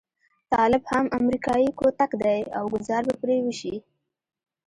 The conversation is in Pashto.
طالب هم امريکايي کوتک دی او ګوزار به پرې وشي.